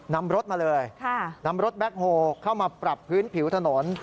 นำรถมาเลยนำรถแบ็คโฮเข้ามาปรับพื้นผิวถนน